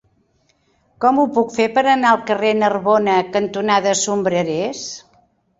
Com ho puc fer per anar al carrer Narbona cantonada Sombrerers?